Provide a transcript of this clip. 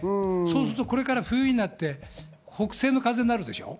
するとこれから冬になって北西の風になるでしょう？